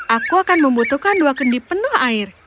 aku akan membutuhkan dua kendi penuh air